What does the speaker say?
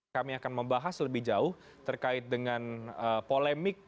kami akan membahas lebih jauh terkait dengan polemik